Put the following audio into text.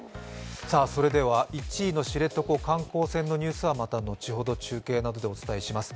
それでは、１位の知床観光船のニュースはまた後ほど中継などでお伝えします。